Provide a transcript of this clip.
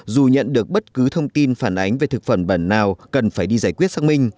dù nhận được bất cứ thông tin phản ánh về thực phẩm bẩn nào cần phải đi giải quyết xác minh